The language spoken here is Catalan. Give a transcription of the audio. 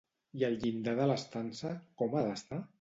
I el llindar de l'estança com ha d'estar?